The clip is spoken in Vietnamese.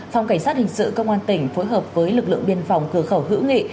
phòng cảnh sát hình sự công an tỉnh phối hợp với lực lượng biên phòng cửa khẩu hữu nghị